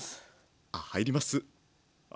入ります。